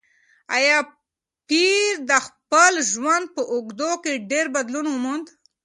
ایا پییر د خپل ژوند په اوږدو کې ډېر بدلون وموند؟